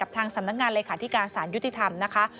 กับทางสำนักงานเลยค่ะที่การศาลยุติธรรมนะคะ